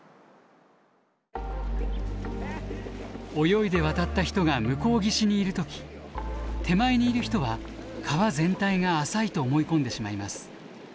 泳いで渡った人が向こう岸にいる時手前にいる人は川全体が浅いと思い込んでしまいます。